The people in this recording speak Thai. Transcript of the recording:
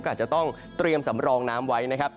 ก็อาจจะต้องเตรียมสำรองน้ำไว้นะครับ